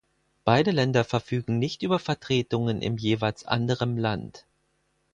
Beide Länder verfügen nicht über Vertretungen im jeweils anderem Land.